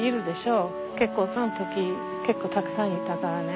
結構その時結構たくさんいたからね。